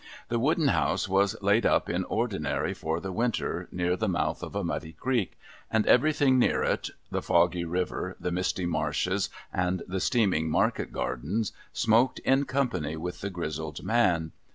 The wooden house was laid up in ordinary for the winter, near the mouth of a muddy creek ; and everything near it, the foggy river, the misty marshes, and the steaming market gardens, smoked in company with the grizzled man.